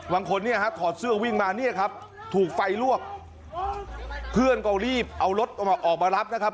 บางคนเนี่ยฮะถอดเสื้อวิ่งมาเนี่ยครับถูกไฟลวกเพื่อนก็รีบเอารถออกมารับนะครับ